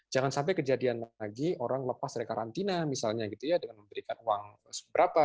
jangan sampai kejadian lagi orang lepas dari karantina misalnya gitu ya dengan memberikan uang seberapa